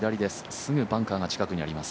すぐバンカーが近くにあります。